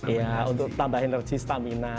iya untuk tambah energi stamina